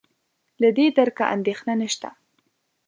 له دې درکه اندېښنه نشته.